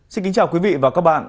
xin kính chào quý vị và các bạn